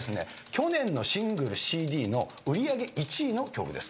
去年のシングルＣＤの売り上げ１位の曲です。